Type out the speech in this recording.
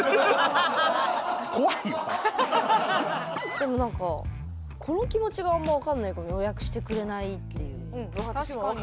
でもなんかこの気持ちがあんまわかんないかも予約してくれないっていう。